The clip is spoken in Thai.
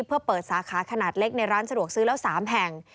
เพื่อเปิดสาขาขนาดเล็กในร้านสะดวกซื้อแล้ว๓แห่ง